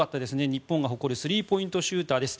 日本が誇るスリーポイントシューターです。